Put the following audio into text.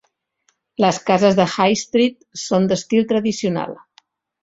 Les cases de High Street són d'estil tradicional.